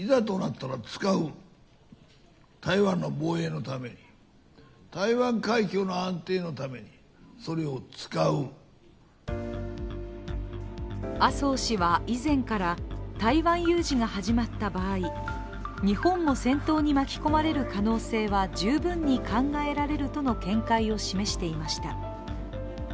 また、講演では軍事的圧力を強める中国を念頭に麻生氏は、以前から台湾有事が始まった場合、日本も戦闘に巻き込まれる可能性は十分に考えられるとの見解を示していました。